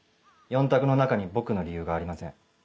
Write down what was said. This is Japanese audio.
４択の中に僕の理由がありません。